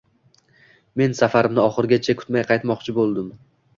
Men safarimni oxirigacha kutmay qaytmoqchi boʻldim